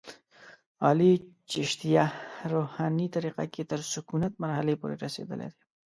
علي چشتیه روحاني طریقه کې تر سکونت مرحلې پورې رسېدلی دی.